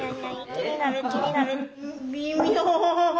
気になる気になる。